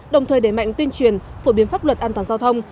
đồng thời để mạnh tuyên truyền phổ biến pháp luật an toàn giao thông